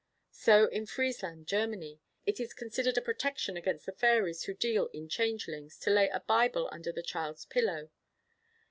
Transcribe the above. So in Friesland, Germany, it is considered a protection against the fairies who deal in changelings, to lay a Bible under the child's pillow.